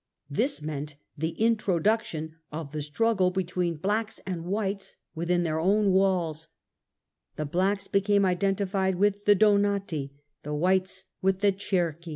This meant the introduction of the struggle between Blacks and Whites within their own walls ; the Blacks became identified with the Donati, the Whites with the Cerchi.